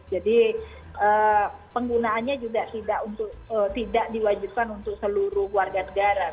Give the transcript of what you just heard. jadi penggunaannya juga tidak diwajibkan untuk seluruh warga negara